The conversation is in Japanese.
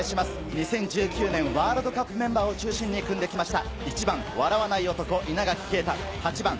２０１９年のワールドカップメンバーを中心に組んできました。